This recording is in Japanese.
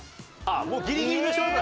あっもうギリギリの勝負？